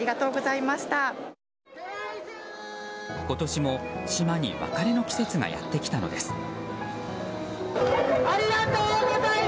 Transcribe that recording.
今年も島に別れの季節がやってきたのです。